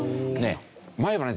前はね